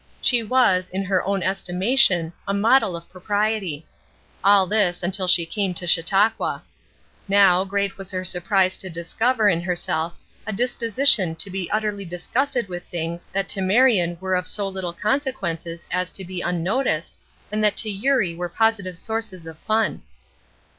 She was, in her own estimation, a model of propriety. All this until she came to Chautauqua. Now, great was her surprise to discover in herself a disposition to be utterly disgusted with things that to Marion were of so little consequences as to be unnoticed, and that to Eurie were positive sources of fun.